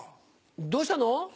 どうしたの？